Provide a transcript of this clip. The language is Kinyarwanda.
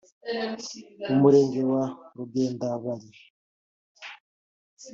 mu murenge wa Rugendabari